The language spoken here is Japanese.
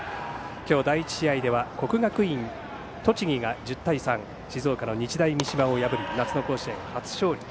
今日、第１試合では国学院栃木が１０対３と静岡の日大三島を破り夏の甲子園初勝利。